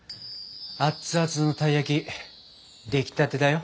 アッツアツのたい焼き出来たてだよ。